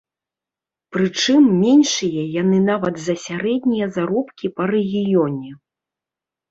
Прычым, меншыя яны нават за сярэднія заробкі па рэгіёне.